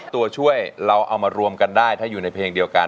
ตัวช่วยเราเอามารวมกันได้ถ้าอยู่ในเพลงเดียวกัน